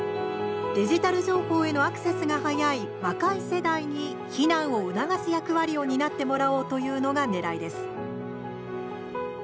デジタル情報へのアクセスが早い若い世代に避難を促す役割を担ってもらおうというのがねらいです。